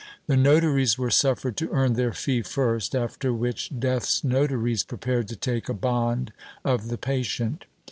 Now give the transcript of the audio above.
* The notaries were suffered to earn their fee first, after which death's notaries prepared to take a bond of the patient.